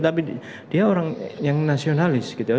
tapi dia orang yang nasionalis gitu ya